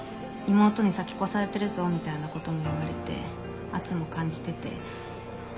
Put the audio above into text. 「妹に先越されてるぞ」みたいなことも言われて圧も感じてて。